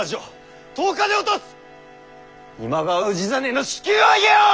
今川氏真の首級をあげよ！